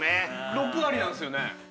６割なんですよね